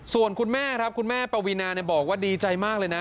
ส่วนคุณแม่ครับคุณแม่ปวีนาบอกว่าดีใจมากเลยนะ